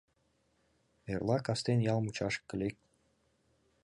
Эрла кастен ял мучашке лек...